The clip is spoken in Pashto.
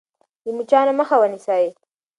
د مچانو مخه ونیسئ.